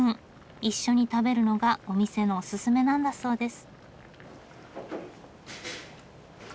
一緒に食べるのがお店のおすすめなんだそうです。